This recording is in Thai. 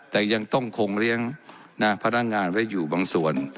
แต่ยังต้องคงเลี้ยงพนักงานไว้อยู่บางส่วน